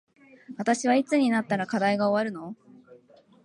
私はいつになったら課題が終わるの